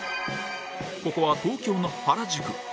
ここは東京の原宿。